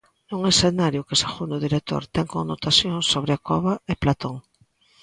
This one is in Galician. Nun escenario que, segundo o director, "ten connotacións sobre a cova e Platón".